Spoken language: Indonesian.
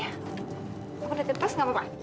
aku liatin terus gak apa apa